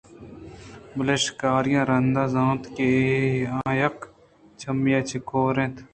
بلے شکاریاں رندا زانت کہ آ یک چمّے ءَ چہ کور اِنت